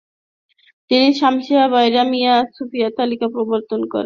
তিনি শামসিয়া-বাইরামিয়া সুফি তরিকা প্রবর্তন করেন।